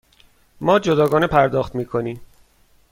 ما جداگانه پرداخت می کنیم.